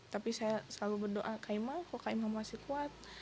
tapi saya selalu berdoa kaima kok kaima masih kuat